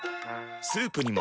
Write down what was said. スープにも。